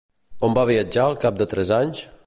On va viatjar al cap de tres anys?